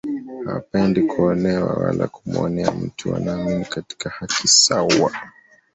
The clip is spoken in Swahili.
Hawapendi kuonewa wala kumuonea mtu wanaamini katika haki sawa